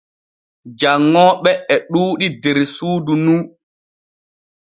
Janŋooɓe e ɗuuɗi der suudu nu.